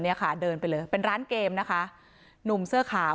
แต่คนที่เบิ้ลเครื่องรถจักรยานยนต์แล้วเค้าก็ลากคนนั้นมาทำร้ายร่างกาย